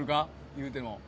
いうても。